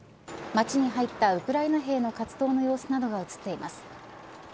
町に入ったウクライナ兵の活動の様子などが映っています。